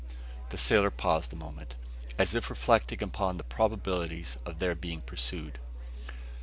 The sailor paused a moment, as if reflecting upon the probabilities of their being pursued.